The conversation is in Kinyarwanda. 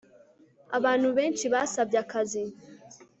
abantu benshi basabye akazi